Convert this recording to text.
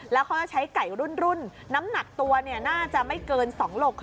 แล้วเขาจะใช้ไก่รุ่นน้ำหนักตัวน่าจะไม่เกิน๒โลก